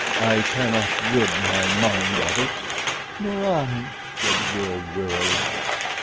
"I cannot rid my mind of it." "Nor I," said the girl wearily.